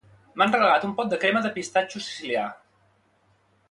M'han regalat un pot de crema de pistatxo sicilià